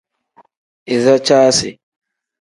Iza caasi.